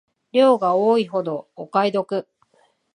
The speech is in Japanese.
量が多いほどお買い得